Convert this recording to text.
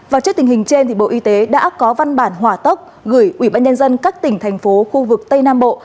và trước tình hình trên bộ y tế đã có văn bản hỏa tốc gửi ủy ban nhân dân các tỉnh thành phố khu vực tây nam bộ